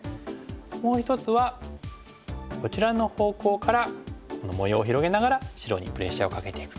もう１つはこちらの方向からこの模様を広げながら白にプレッシャーをかけていく。